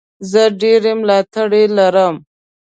زه ډېر ملاتړي لرم.